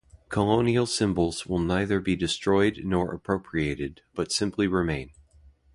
Colonial symbols will neither be destroyed nor appropriated but simply remain.